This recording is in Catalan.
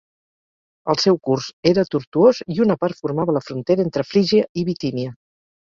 El seu curs era tortuós i una part formava la frontera entre Frígia i Bitínia.